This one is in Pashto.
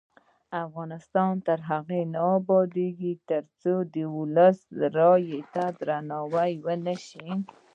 افغانستان تر هغو نه ابادیږي، ترڅو د ولس رایې ته درناوی ونشي.